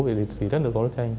vì rất là có đấu tranh